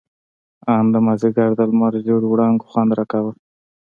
ان د مازديګر د لمر زېړو وړانګو خوند راکاوه.